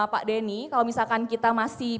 pak denny kalau misalkan kita masih